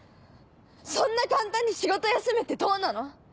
そんな簡単に仕事休むってどうなの？